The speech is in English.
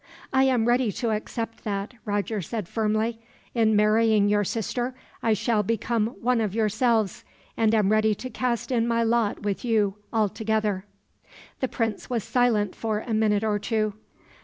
"I am ready to accept that," Roger said firmly. "In marrying your sister, I shall become one of yourselves, and am ready to cast in my lot with you, altogether." The prince was silent for a minute or two.